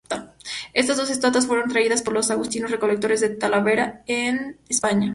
Estas dos estatuas fueron traídas por los agustinos recoletos de Talavera, en España.